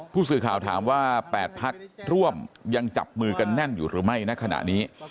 ผู้สื่อข่าวถามว่า๘พักร่วมยังจับมือกันแน่นอยู่หรือไม่ณขณะนี้